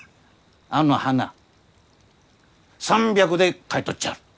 あの花３００で買い取っちゃる！